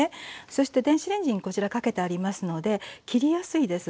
そして電子レンジにこちらかけてありますので切りやすいです。